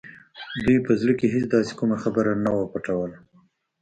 دوی به په زړه کې هېڅ داسې کومه خبره نه وه پټوله